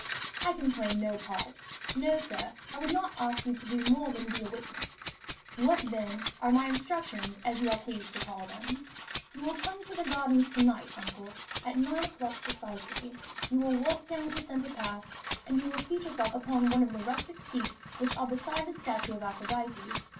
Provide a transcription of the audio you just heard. "I can play no part." "No, sir. I would not ask you to do more than be a witness." "What, then, are my instructions, as you are pleased to call them?" "You will come to the Gardens to night, uncle, at nine o'clock precisely. You will walk down the centre path, and you will seat yourself upon one of the rustic seats which are beside the statue of Aphrodite.